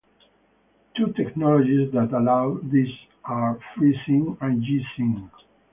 Two technologies that allow this are FreeSync and G-Sync.